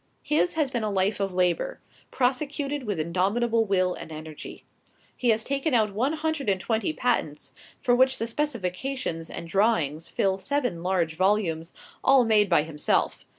His has been a life of labor, prosecuted with indomitable will and energy. He has taken out one hundred and twenty patents, for which the specifications and drawings fill seven large volumes, all made by himself.